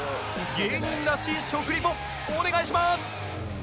芸人らしい食リポお願いします！